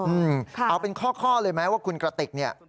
เออค่ะเอาเป็นข้อเลยไหมว่าคุณกระติก